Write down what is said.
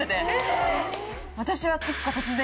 私は。